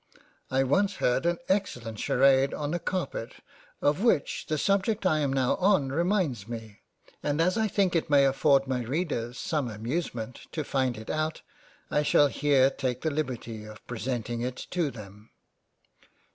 I once heard an excellent Sharade on a Carpet, of which the subject I am now on reminds me, and as I think it may afford my Readers some amusement to find it out, I shall here take the liberty of presenting it to them.